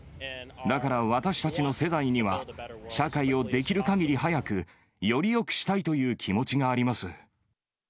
だから私たちの世代には、社会をできるかぎり早く、よりよくしたいという気持ちがあります。